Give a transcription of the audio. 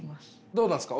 どうなんですか？